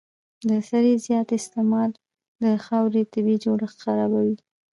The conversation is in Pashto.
د سرې زیات استعمال د خاورې طبیعي جوړښت خرابوي.